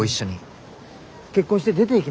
結婚して出ていきました。